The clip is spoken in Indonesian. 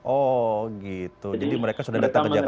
oh gitu jadi mereka sudah datang ke jakarta